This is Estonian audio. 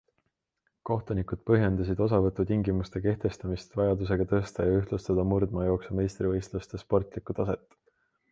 Kohtunikud põhjendasid osavõtutingimuste kehtestamist vajadusega tõsta ja ühtlustada murdmaajooksu meistrivõistluste sportlikku taset.